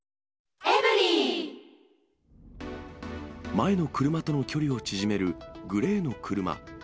前の車との距離を縮めるグレーの車。